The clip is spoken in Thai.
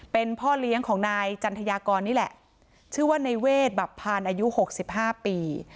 เป็นพ่อเลี้ยงของนายจันทยากรนี่แหละชื่อว่าในเวทบับพานอายุหกสิบห้าปี